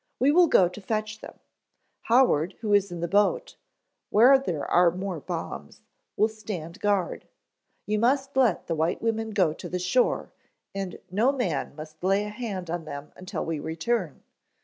We will go to fetch them. Howard, who is in the boat, where there are more bombs, will stand guard. You must let the white women go to the shore and no man must lay a hand on them until we return.